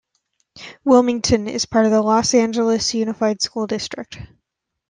Wilmington is part of the Los Angeles Unified School District.